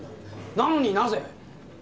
なのになぜ？